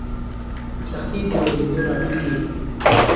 سختي د ودرېدو لامل کېږي.